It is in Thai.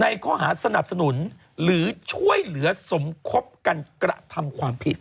ข้อหาสนับสนุนหรือช่วยเหลือสมคบกันกระทำความผิด